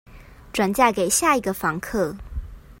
轉嫁給下一個房客